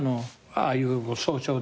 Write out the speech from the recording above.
ああいう総称で。